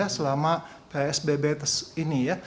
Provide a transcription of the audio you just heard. selama psbb ini